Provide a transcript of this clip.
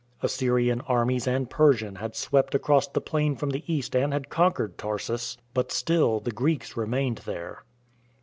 Assyrian armies and Persian had swept across the plain from the East and had conquered Tarsus, but still the Greeks remained there.